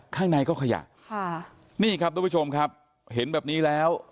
ข้างในก็ขยะค่ะนี่ครับทุกผู้ชมครับเห็นแบบนี้แล้ว